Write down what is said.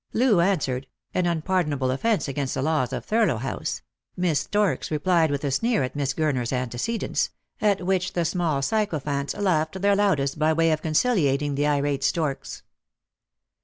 Loo " answered "— an unpardonable offence against the laws of Thurlow House ; Miss Storks replied with a sneer at Miss Gurner's antecedents; at which the small sycophants laughed their loudest by way of conciliating the irate Storks.